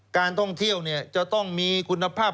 การท่องเที่ยวจะต้องมีคุณภาพ